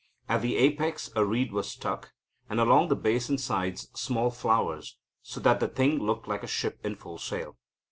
At the apex a reed was stuck, and along the base and sides small flowers, so that the thing looked like a ship in full sail.